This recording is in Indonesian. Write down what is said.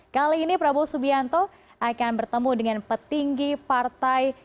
kali ini prabowo subianto akan bertemu dengan petinggi partai